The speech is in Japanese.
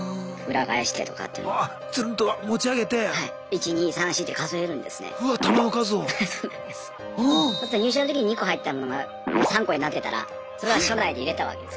そうすると入所のときに２個入ってたものが３個になってたらそれは所内で入れたわけです。